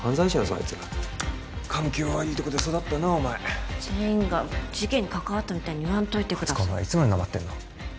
あいつら環境悪いとこで育ったなお前全員が事件に関わったみたいに言わんといてくださいつかお前いつまでなまってんの？